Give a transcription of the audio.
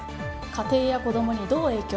家庭や子供にどう影響？